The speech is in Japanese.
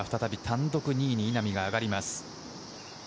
再び単独２位に稲見が上がります。